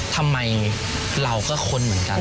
ทำไมเราก็ค้นเหมือนกัน